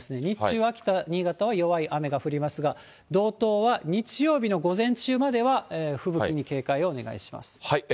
日中、秋田、新潟は弱い雨が降りますが、道東は日曜日の午前中までは吹雪に警戒をお願いします。